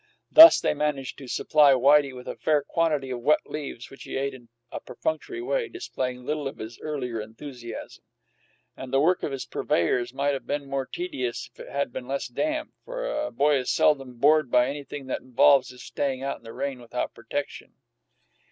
Thus they managed to supply Whitey with a fair quantity of wet leaves, which he ate in a perfunctory way, displaying little of his earlier enthusiasm. And the work of his purveyors might have been more tedious if it had been less damp, for a boy is seldom bored by anything that involves his staying out in the rain without protection.